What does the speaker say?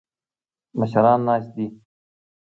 مشران ناست دي.